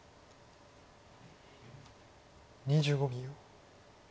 ２５秒。